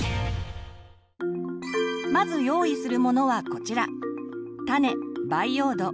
まず用意するものはこちら。